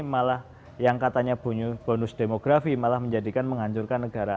malah yang katanya bonus demografi malah menjadikan menghancurkan negara